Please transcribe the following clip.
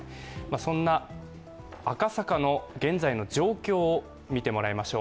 そんな赤坂の現在の状況を見てもらいましょう。